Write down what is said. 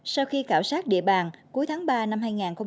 sau khi cảo sát địa bàn cuối tháng ba năm hai nghìn một mươi sáu